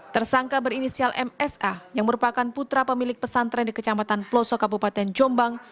tersangka berinisial msa yang merupakan putra pemilik pesantren di kecamatan pelosok kabupaten jombang